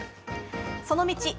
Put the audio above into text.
その道